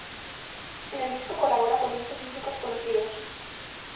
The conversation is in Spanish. En el disco colabora con muchos músicos conocidos.